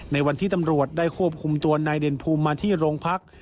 ในวันที่ตำรวจได้ควบคุมตัวนายเด่นภูมิมาที่โรงพัก